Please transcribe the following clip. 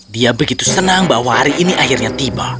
dia begitu senang bahwa hari ini akhirnya tiba